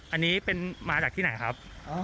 อันนี้เป็นมาจากที่ไหนครับ